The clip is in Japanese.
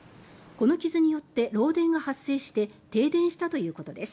この傷によって漏電が発生して停電したということです。